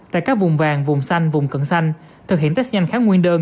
tại các vùng vàng vùng xanh vùng cận xanh thực hiện test nhanh kháng nguyên đơn